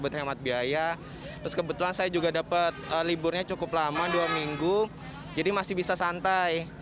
terus kebetulan saya juga dapat liburnya cukup lama dua minggu jadi masih bisa santai